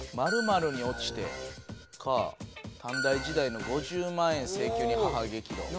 「○○に落ちて」か「短大時代の５０万円請求に母激怒！」。